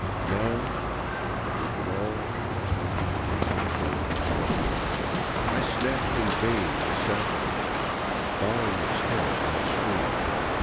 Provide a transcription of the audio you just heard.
Now we could all but touch the racing forest wall. I snatched in vain at a sapling bowing its head in the stream.